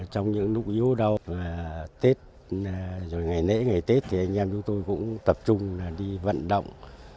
trong những lúc yếu đau tết ngày nễ ngày tết thì anh em chúng tôi cũng tập trung đi vận động